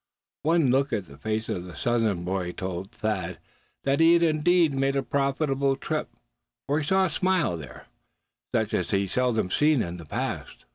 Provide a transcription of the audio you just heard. One look at the face of the Southern boy told Thad that he had indeed made a profitable trip, for he saw a smile there, such as had seldom marked it in the past.